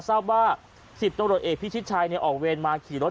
ทราบว่าสิบต้นรถเอกพี่ชิดชายเนี่ยออกเวรมาขี่รถ